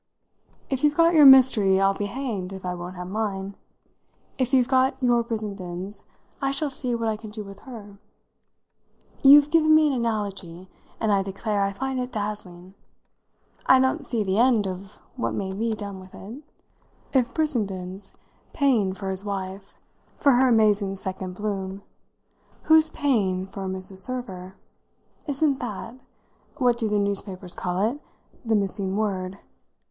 If you've got your mystery I'll be hanged if I won't have mine. If you've got your Brissendens I shall see what I can do with her. You've given me an analogy, and I declare I find it dazzling. I don't see the end of what may be done with it. If Brissenden's paying for his wife, for her amazing second bloom, who's paying for Mrs. Server? Isn't that what do the newspapers call it? the missing word?